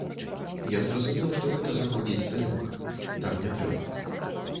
Я зразумеў, што гэта заходзіць далёка, так не трэба.